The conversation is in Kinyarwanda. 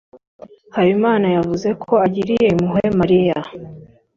Habimana yavuze ko agiriye impuhwe Mariya.